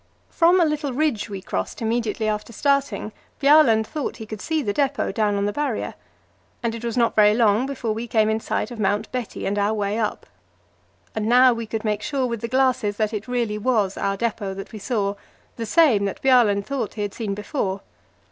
From a little ridge we crossed immediately after starting, Bjaaland thought he could see the depot down on the Barrier, and it was not very long before we came in sight of Mount Betty and our way up. And now we could make sure with the glasses that it really was our depot that we saw the same that Bjaaland thought he had seen before.